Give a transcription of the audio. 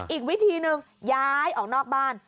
อีกวิธีหนึ่งย้ายออกนอกบ้าน